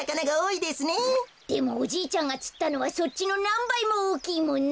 でもおじいちゃんがつったのはそっちのなんばいもおおきいもんね！